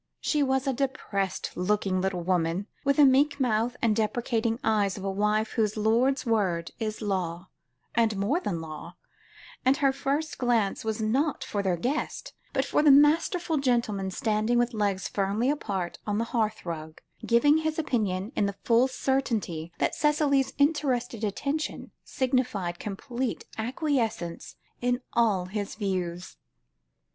She was a depressed looking little woman, with the meek mouth and deprecating eyes of a wife whose lord's word is law and more than law and her first glance was not for their guest, but for the masterful gentleman standing with legs firmly apart on the hearth rug, giving his opinion, in the full certainty that Cicely's interested attention, signified complete acquiescence in all his views.